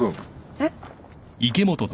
えっ？